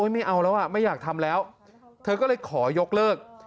ไม่เอาแล้วอ่ะไม่อยากทำแล้วเธอก็เลยขอยกเลิก